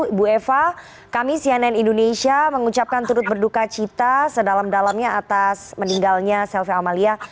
ibu eva kami cnn indonesia mengucapkan turut berduka cita sedalam dalamnya atas meninggalnya selvi amalia